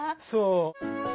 そう。